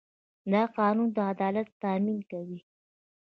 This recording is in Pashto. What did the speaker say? دا قانون د عدالت تامین کوي.